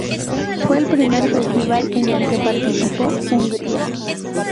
Fue el primer festival en el que participó Hungría.